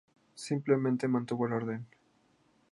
Simplemente mantuvo el orden.